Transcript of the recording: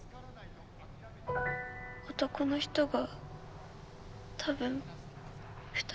☎男の人が多分２人。